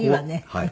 はい。